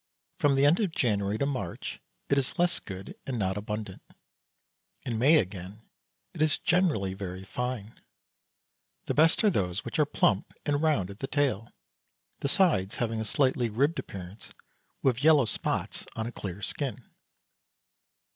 From the end of January to March it is less good and not abundant; in May again it is generally very fine. The best are those which are plump and round at the tail, the sides having a slightly ribbed appearance, with yellow spots on a clear skin.